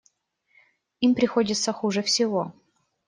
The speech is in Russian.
Им приходится хуже всего.